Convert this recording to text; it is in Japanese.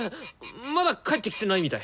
まだ帰ってきてないみたい！